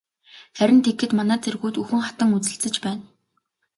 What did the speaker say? Харин тэгэхэд манай цэргүүд үхэн хатан үзэлцэж байна.